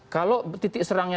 kalau titik serangnya